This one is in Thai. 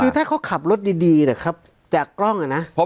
คือถ้าเขาขับรถดีนะครับจากกล้องอ่ะนะ